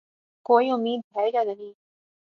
کوئی امید ہے یا نہیں ؟